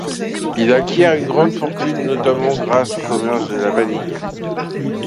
Il acquiert une grande fortune notamment grâce au commerce de la vanille.